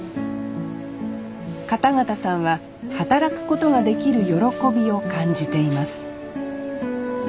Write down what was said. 片方さんは働くことができる喜びを感じています